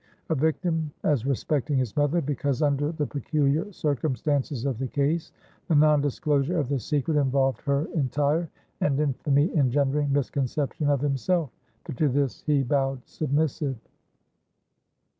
A victim as respecting his mother, because under the peculiar circumstances of the case, the non disclosure of the secret involved her entire and infamy engendering misconception of himself. But to this he bowed submissive.